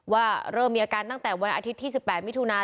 ว่าเริ่มมีอาการตั้งแต่วันอาทิตย์ที่๑๘มิถุนา